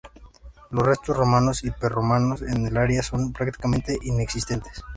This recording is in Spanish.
Las restos romanos y prerromanos en el área son prácticamente inexistentes.